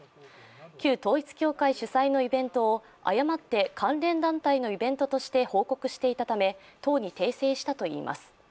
旧統一教会主催のイベントを誤って関連団体のイベントとして報告していたため党に訂正したといいます。